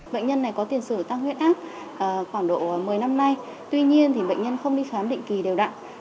bệnh nhân này có tiền sử tăng huyết áp khoảng độ một mươi năm nay tuy nhiên bệnh nhân không đi khám định kỳ đều đặn